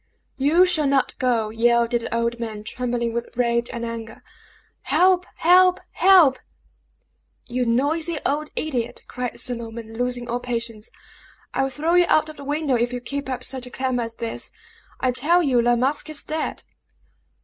"You shall not go!" yelled the old man, trembling with rage and anger. "Help! help! help!" "You noisy old idiot!" cried Sir Norman, losing all patience, "I will throw you out of the window if you keep up such a clamor as this. I tell you La Masque is dead!"